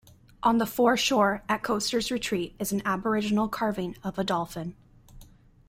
On the foreshore at Coasters retreat is an Aboriginal carving of a Dolphin.